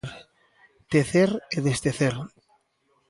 Tecer e destecer.